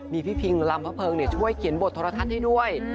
มีพี่พิงลำพระเพิงช่วยเขียนบทโทรทัศน์ให้ด้วย